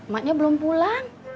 maknya belum pulang